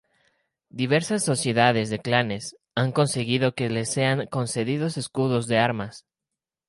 Diversas sociedades de clanes han conseguido que les sean concedidos escudos de armas.